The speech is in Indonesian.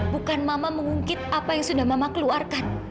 bukan mama mengungkit apa yang sudah mama keluarkan